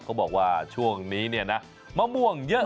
เขาบอกว่าช่วงนี้เนี่ยนะมะม่วงเยอะ